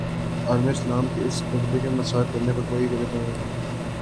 عالم اسلام کے اس قلعے کو مسمار کرنے میں کوئی دقیقہ فروگزاشت نہ کیا جائے